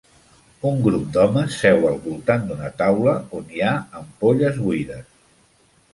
Un grup d'homes seu al voltant de una taula on hi ha ampolles buides